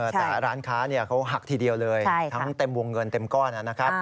แต่ร้านค้าเขาหักทีเดียวเลยทั้งเต็มวงเงินเต็มก้อนนะครับ